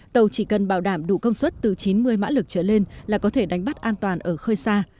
tàu chỉ cần bảo đảm đủ công suất từ chín mươi mã lực trở lên là có thể đánh bắt an toàn ở khơi xa